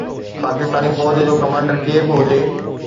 پاڪستاني فوج جو ڪمانڊر ڪير به هجي.